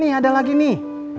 nih ada lagi nih